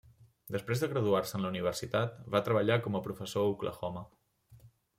Després de graduar-se en la universitat, va treballar com a professor a Oklahoma.